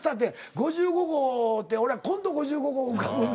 ５５号って俺らコント５５号浮かぶんで。